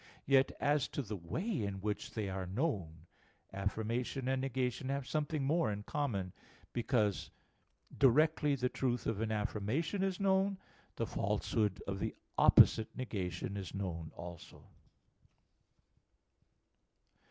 Yet, as to the way in which they are known, affirmation and negation have something more in common; because directly the truth of an affirmation is known, the falsehood of the opposite negation is known also.